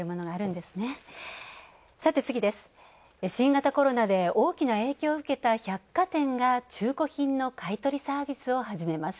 新型コロナで大きな影響を受けた百貨店が中古品の買い取りサービスを始めます。